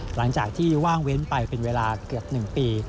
หลังจากที่ว่างเว้นไปเป็นเวลาเกือบ๑ปี